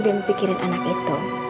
dengan pikiran anak itu